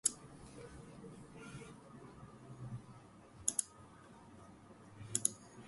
Both tenses are essential in English to accurately express various time frames and situations.